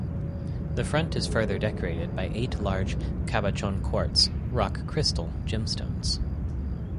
The front is further decorated by eight large cabochon quartz (rock crystal) gemstones.